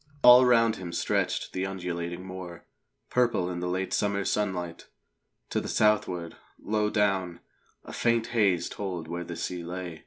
All round him stretched the undulating moor, purple in the late summer sunlight. To the southward, low down, a faint haze told where the sea lay.